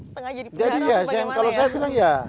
sengaja diperhitung bagaimana ya